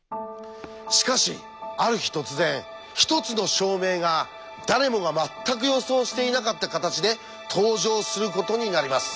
しかしある日突然一つの証明が誰もが全く予想していなかった形で登場することになります。